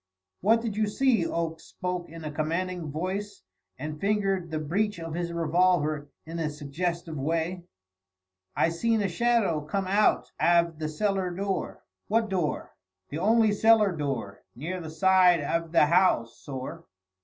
"What did you see?" Oakes spoke in a commanding voice and fingered the breech of his revolver in a suggestive way. "I seen a shadow come out av the cellar door." "What door?" "The only cellar door; near the side av the house, sorr."